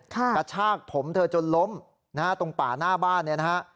กระชากผมเธอจนล้มตรงป่าหน้าบ้าน